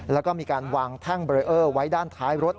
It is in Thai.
แล้วก็มีการวางแท่งเบรเออร์ไว้ด้านท้ายรถ